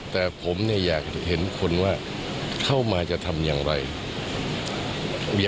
แต่ผมเนี่ยอยากเห็นคนว่าเข้ามาจะทำอย่างไร